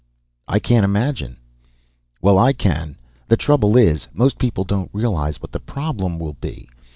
"I can't imagine." "Well, I can. The trouble is, most people don't realize what the problem will be.